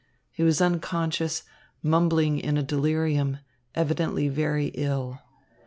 He was unconscious, mumbling in a delirium, evidently very ill.